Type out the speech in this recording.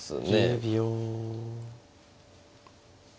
１０秒。